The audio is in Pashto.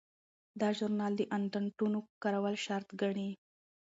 دا ژورنال د اندنوټونو کارول شرط ګڼي.